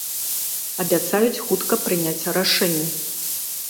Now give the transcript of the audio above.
Абяцаюць хутка прыняць рашэнне.